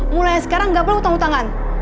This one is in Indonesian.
mulai sekarang gak perlu hutang hutangan